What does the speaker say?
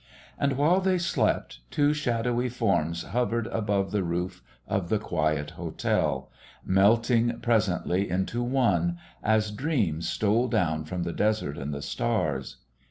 And, while they slept, two shadowy forms hovered above the roof of the quiet hotel, melting presently into one, as dreams stole down from the desert and the stars.